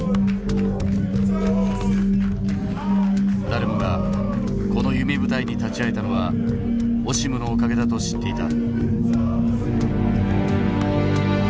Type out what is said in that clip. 誰もがこの夢舞台に立ち会えたのはオシムのおかげだと知っていた。